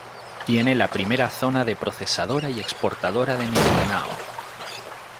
Tiene la primera zona de procesadora y exportadora de Mindanao.